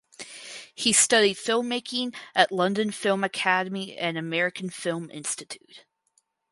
He studied filmmaking at London Film Academy and American Film Institute.